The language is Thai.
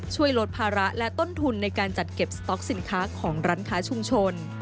ช่วยลดภาระและต้นทุนในการจัดเก็บสต๊อกสินค้าของร้านค้าชุมชน